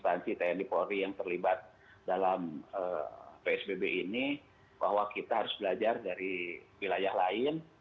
instansi tni polri yang terlibat dalam psbb ini bahwa kita harus belajar dari wilayah lain